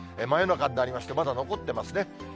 真夜中になりまして、まだ残ってますね。